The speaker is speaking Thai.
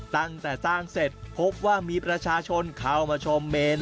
ตั้งแต่สร้างเสร็จพบว่ามีประชาชนเข้ามาชมเมน